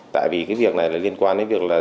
tại vì cái việc này là liên quan đến việc là